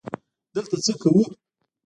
_دلته څه کوو؟